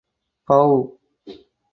Pow!